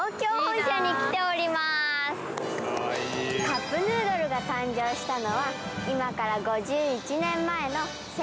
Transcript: カップヌードルが誕生したのは今から５１年前の１９７１年。